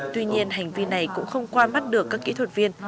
tuy nhiên hành vi này cũng không qua mắt được các kỹ thuật viên